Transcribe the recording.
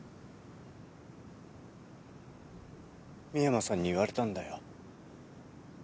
深山さんに言われたんだよ。